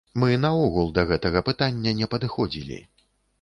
Мы наогул да гэтага пытання не падыходзілі.